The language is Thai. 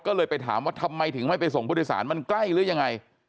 ก็เลยไปถามว่าทำไมถึงไม่ไปส่งผู้โดยสารมันใกล้หรือยังไง